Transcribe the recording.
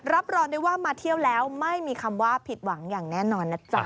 รับรองได้ว่ามาเที่ยวแล้วไม่มีคำว่าผิดหวังอย่างแน่นอนนะจ๊ะ